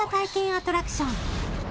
アトラクション